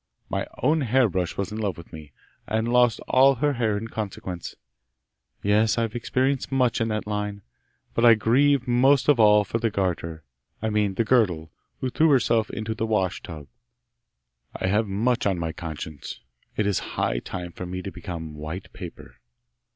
My own hair brush was in love with me, and lost all her hair in consequence. Yes, I have experienced much in that line; but I grieve most of all for the garter, I mean, the girdle, who threw herself into a wash tub. I have much on my conscience; it is high time for me to become white paper!